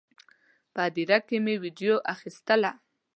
په هدیره کې مې ویډیو اخیستله.